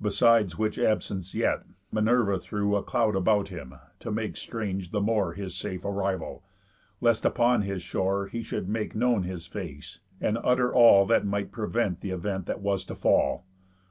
Besides which absence yet, Minerva threw A cloud about him, to make strange the more His safe arrival, lest upon his shore He should make known his face, and utter all That might prevent th' event that was to fall.